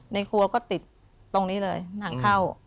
ในครัวก็ติดตรงนี้เลยหนังเข้า